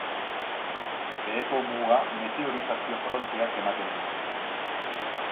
Beheko muga meteorizazio fronteak ematen du.